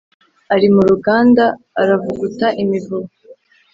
Ari mu ruganda, aravuguta imivuba,